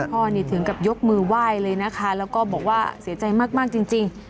ถึงกับยกมือไหว้เลยนะคะแล้วก็บอกว่าเสียใจมากจริง